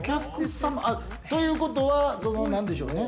ということは何でしょうね。